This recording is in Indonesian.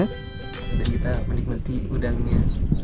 kita menikmati udangnya